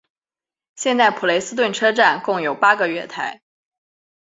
现在普雷斯顿车站共有八个月台。